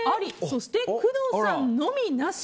そして、工藤さんのみなし。